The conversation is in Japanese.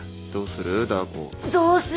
どうする？